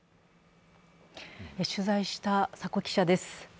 取材した佐古記者です。